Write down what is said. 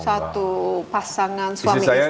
satu pasangan suami istri dalam ruangan